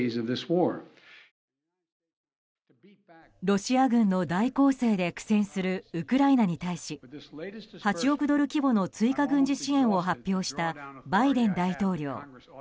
ロシア軍の大攻勢で苦戦するウクライナに対し８億ドル規模の追加軍事支援を発表した、バイデン大統領。